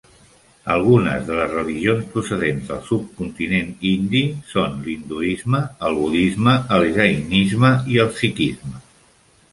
Algunes de les religions procedents del subcontinent indi són l'hinduisme, el budisme, el jainisme i el sikhisme.